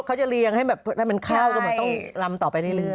เขาจะเลี้ยงให้แบบให้มันเข้าก็ต้องรำต่อไปได้เรื่อย